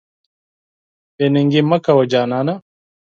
بې ننګي مه کوه جانانه.